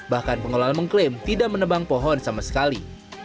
bahkan pengelola mengklaim tidak menebang pohon sama sekali